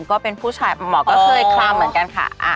ก็เป็นผู้ชายหมอก็เคยคลามเหมือนกันค่ะ